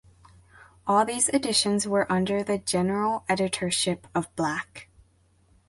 All these editions were under the general editorship of Black.